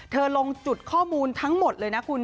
ลงจุดข้อมูลทั้งหมดเลยนะคุณ